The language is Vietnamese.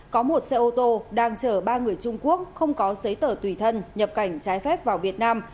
có một xe ô tô đang chở ba người trung quốc không có giấy tờ tùy thân nhập cảnh trái phép vào việt nam